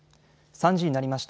３時になりました。